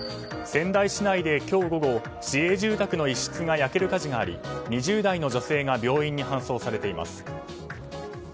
仙台市内で今日午後市営住宅の一室が焼ける火事があり２０代の女性が病院に搬送されています。